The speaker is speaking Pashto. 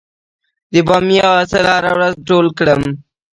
د بامیې حاصل هره ورځ ټول کړم؟